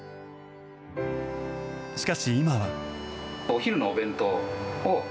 しかし、今は。